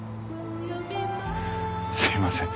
すいません。